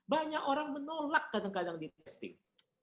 banyak orang menolak kadang kadang di testing